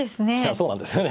そうなんですよね。